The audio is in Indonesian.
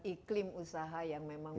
iklim usaha yang memang